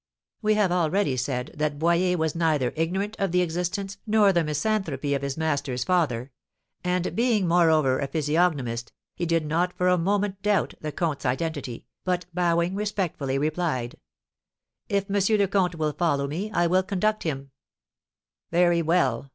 We have already said that Boyer was neither ignorant of the existence nor the misanthropy of his master's father; and being, moreover, a physiognomist, he did not for a moment doubt the comte's identity, but, bowing respectfully, replied: "If M. le Comte will follow me, I will conduct him " "Very well!"